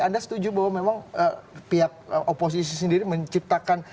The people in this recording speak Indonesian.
anda setuju bahwa memang pihak oposisi sendiri menciptakan